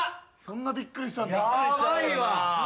そんなびっくりしたんだ。